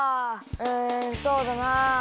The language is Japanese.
うんそうだな。